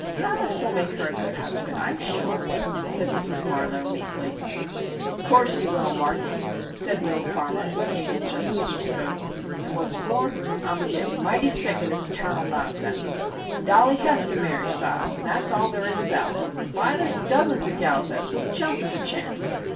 "Silas will make her a good husband, I'm sure," said Mrs. Marlowe, meekly. "O' course he will, Marthy," said the old farmer, who came in just as she spoke. "An' what's more, I'm a gittin' mighty sick of this tarnal nonsense! Dollie hez got tew marry Sile, an' thet's all ther' is abaout it! Why, there's dozens of gals as would jump at ther' chance!